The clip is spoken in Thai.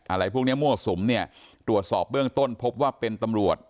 อะไรพวกนี้มั่วสุมเนี่ยตรวจสอบเบื้องต้นพบว่าเป็นตำรวจ